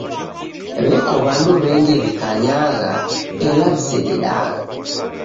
W'eko w'andu w'engi w'ikanyagha ela w'isededagha.